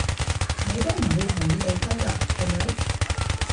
你都唔會同意訂婚㗎，係咪？